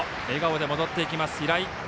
笑顔で戻っていきます、平井。